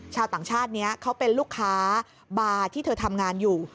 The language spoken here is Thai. ชาวต่างชาตินี้เขาเป็นลูกค้าบาร์ที่เธอทำงานอยู่